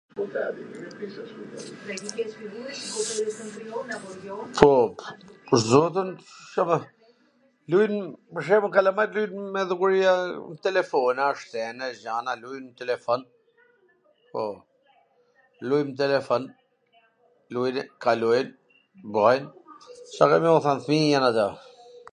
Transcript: Pwr zotin, po, kalamajt lujn pwr shembull me lojra telefona, se jan e gjana lujn n telefon, po, lujn n telefon, kalojn, bajn, Ca ke me u than, fwmij jan ata.